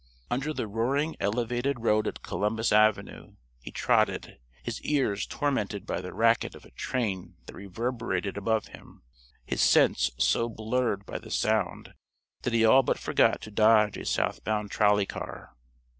Under the roaring elevated road at Columbus Avenue, he trotted; his ears tormented by the racket of a train that reverberated above him; his sense so blurred by the sound that he all but forgot to dodge a southbound trolley car.